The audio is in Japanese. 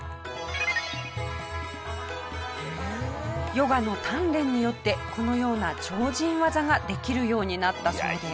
ヨガの鍛錬によってこのような超人技ができるようになったそうです。